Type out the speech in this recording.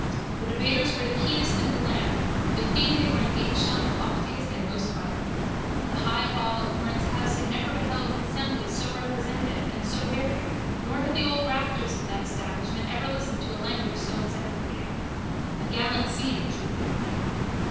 The debaters were the keenest in the land, the theme they were engaged on the loftiest and most vital. The high hall of Horne's house had never beheld an assembly so representative and so varied nor had the old rafters of that establishment ever listened to a language so encyclopaedic. A gallant scene in truth it made.